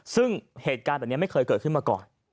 ซึ่งเหตุการณ์แบบนี้ไม่เคยเกิดขึ้นมาก่อน